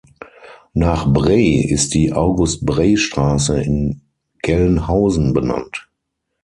Nach Brey ist die "August-Brey-Straße" in Gelnhausen benannt.